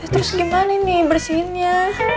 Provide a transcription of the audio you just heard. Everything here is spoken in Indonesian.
terus gimana ini bersihinnya